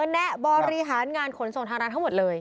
แนะบริหารงานขนส่งทางร้านทั้งหมดเลย